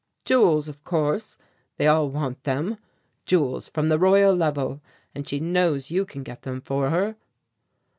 "Jewels, of course; they all want them; jewels from the Royal Level, and she knows you can get them for her."